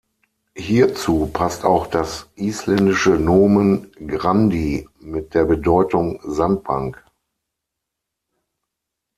Hierzu passt auch das isländische Nomen "grandi" mit der Bedeutung "Sandbank".